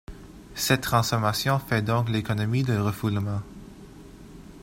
Cette transformation fait donc l'économie du refoulement.